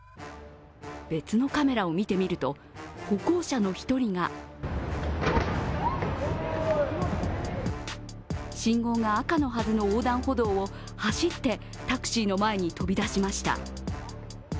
別のカメラを見てみると、歩行者の１人が信号が赤のはずの横断歩道を走ってタクシーの前に飛び出しました。